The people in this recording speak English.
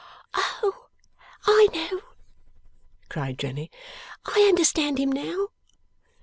'Oh! I know!' cried Jenny. 'I understand him now!